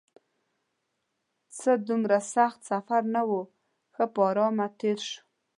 څه دومره سخت سفر نه و، ښه په ارامه تېر شو.